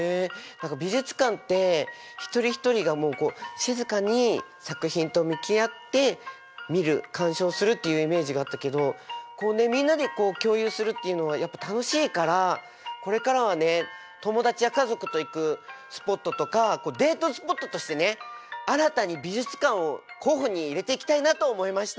何か美術館って一人一人が静かに作品と向き合って見る鑑賞するっていうイメージがあったけどみんなで共有するっていうのはやっぱ楽しいからこれからはね友達や家族と行くスポットとかデートスポットとしてね新たに美術館を候補に入れていきたいなと思いました。